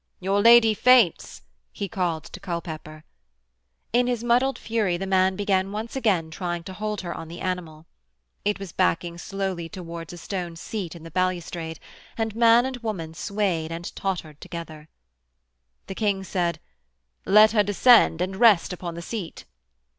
'Your lady faints,' he called to Culpepper. In his muddled fury the man began once again trying to hold her on the animal. It was backing slowly towards a stone seat in the balustrade, and man and woman swayed and tottered together. The King said: 'Let her descend and rest upon the seat.'